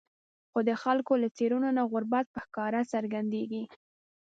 خو د خلکو له څېرو نه غربت په ښکاره څرګندېږي.